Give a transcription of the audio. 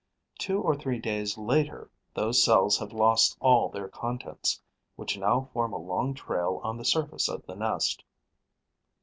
Two or three days later, those cells have lost all their contents, which now form a long trail on the surface of the nest.